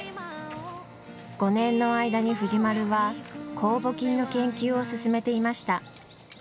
５年の間に藤丸は酵母菌の研究を進めていました。